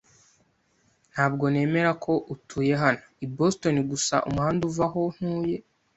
Ntabwo nemera ko utuye hano i Boston gusa umuhanda uva aho ntuye.